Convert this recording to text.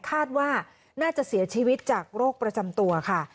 คาดว่าน่าจะเสียชีวิตจากโรคประจำตัวค่ะ